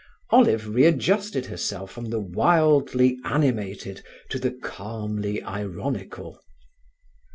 Olive readjusted herself from the wildly animated to the calmly ironical.